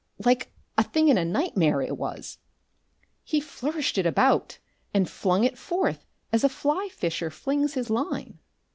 Like a thing in a nightmare it was! He flourished it about and flung it forth as a fly fisher flings his line.